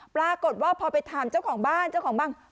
ปรากฏว่าพอไปถามเจ้าของบ้านเจ้าของบ้าน